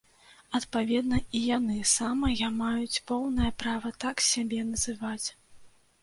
Адпаведна, і яны самыя маюць поўнае права так сябе называць.